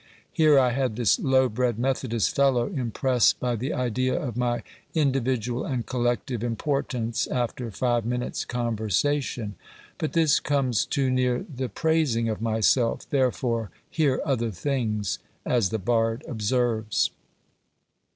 Here I had this low bred Methodist fellow impressed by the idea of my individual and collective importance after five minutes' conversation. "But this comes too near the praising of myself; therefore hear other things," as the bard observes.